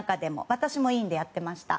私も委員でやっていました。